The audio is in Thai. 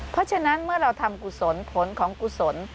เพราะฉะนั้นเมื่อเราทำกุศลขนของกุศล